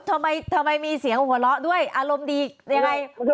ทำไมมีเสียงหัวเราะด้วยอารมณ์ดียังไง